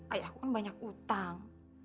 ayahku kan banyak utang